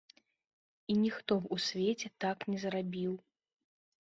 І ніхто б у свеце так не зрабіў.